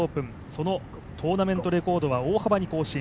そのトーナメントレコードは大幅に更新。